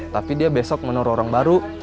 tapi dia besok menaruh orang baru